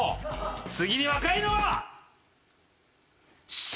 次に若いのはＣ！